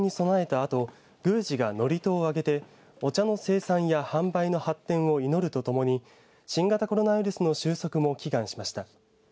あと宮司が祝詞を上げてお茶の生産や販売の発展を祈るとともに新型コロナウイルスの収束も祈願しました。